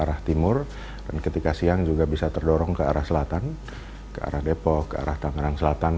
arah timur dan ketika siang juga bisa terdorong ke arah selatan ke arah depok ke arah tangerang selatan